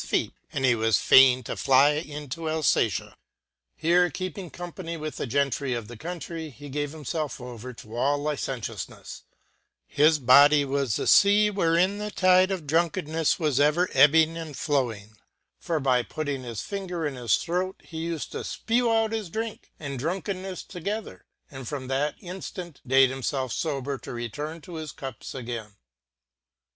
feet, and he was fain to fly into Alfatia. Here keeping company with the Gentry of the countrey, he gave himfelf over to all licentioufnefle : His body was the lea wherein the tide of drunkenneffe was ever ebbing and flowing • for by putting his finger in his throat he u fed to fpew out his drink and drunkennefle together, and from that inftant date himfelf fober to return to his cups again.